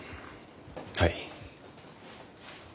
はい。